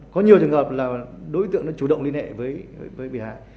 có nhiều trường hợp là đối tượng đã chủ động liên hệ với bị hại